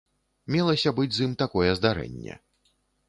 Мелася быць з ім такое здарэнне.